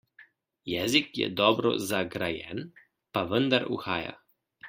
Jezik je dobro zagrajen, pa vendar uhaja.